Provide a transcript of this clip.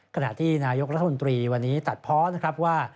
ขณะที่นายกรัฐมนตรีวันนี้ตัดเพาะนะครับว่า